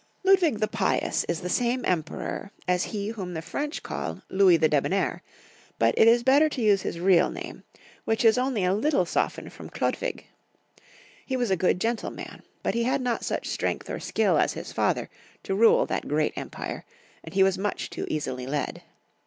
LUDWIG THE PIOUS is the sam« emperor as he whom the Freuch call Louis the debonau*, but it is better to use his real name, which is only a little softened from Clilodwig. He was a good, gentle man, but he had not such strength or skill as liis father to rule that great empire, and he was much too easily led.